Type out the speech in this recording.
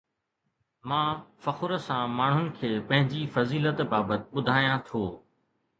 مان فخر سان ماڻهن کي پنهنجي فضيلت بابت ٻڌايان ٿو